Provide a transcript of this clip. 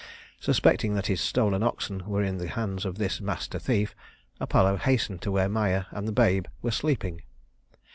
Suspecting that his stolen oxen were in the hands of this master thief, Apollo hastened to where Maia and the babe were sleeping.